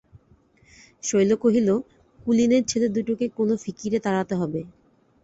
শৈল কহিল, কুলীনের ছেলে দুটোকে কোনো ফিকিরে তাড়াতে হবে।